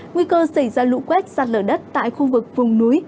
nguy cơ xảy ra lũ quét sạt lở đất tại khu vực vùng núi